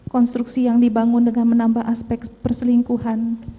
konstruksi yang dibangun dengan menambah aspek perselingkuhan